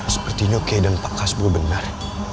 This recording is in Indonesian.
sepertinya oke dan pak hasbro benar